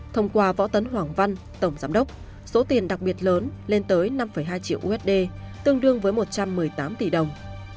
thông qua võ tấn hoàng văn tổng giám đốc số tiền đặc biệt lớn lên tới năm hai triệu usd tương đương với một trăm một mươi tám tỷ đồng